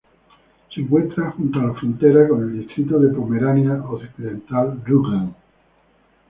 Se encuentra junto a la frontera con el distrito de Pomerania Occidental-Rügen.